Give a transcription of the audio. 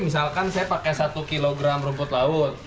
misalkan saya pakai satu kilogram rumput laut